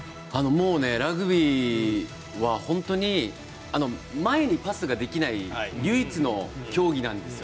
もうね、ラグビーは本当に前にパスができない唯一の競技なんですよ。